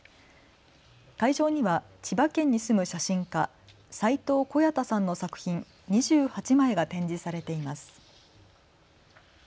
会場には千葉県に住む写真家、齊藤小弥太さんの作品２８枚が展示されています。